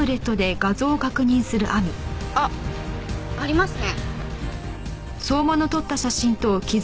あっありますね。